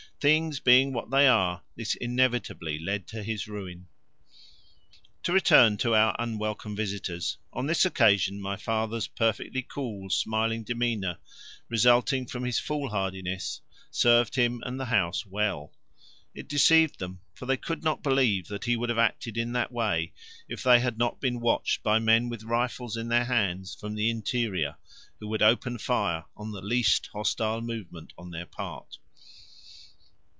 Things being what they are this inevitably led to his ruin. To return to our unwelcome visitors. On this occasion my father's perfectly cool smiling demeanour, resulting from his foolhardiness, served him and the house well: it deceived them, for they could not believe that he would have acted in that way if they had not been watched by men with rifles in their hands from the interior who would open fire on the least hostile movement on their part.